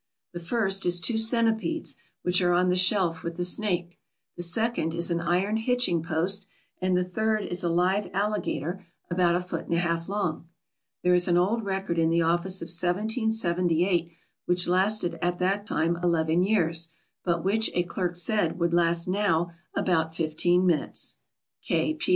The first is two centipedes, which are on the shelf with the snake; the second is an iron hitching post; and the third is a live alligator about a foot and a half long. There is an old record in the office of 1778, which lasted at that time eleven years, but which, a clerk said, would last now about fifteen minutes.